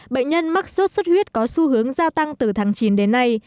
bệnh nhân mắc sốt xuất huyết có xu hướng gia tăng từ tháng chín đến nay